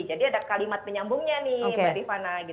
jadi ada kalimat penyambungnya nih